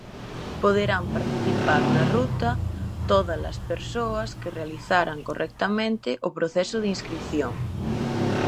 Poderán participar na ruta tódalas persoas que realizaran correctamente o proceso de inscrición.